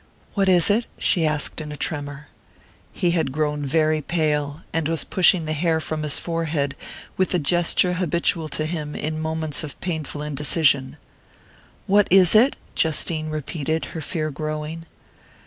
"What is it?" she asked in a tremor. He had grown very pale, and was pushing the hair from his forehead with the gesture habitual to him in moments of painful indecision. "What is it?" Justine repeated, her fear growing.